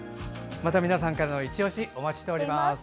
また皆さんからのいちオシお待ちしております。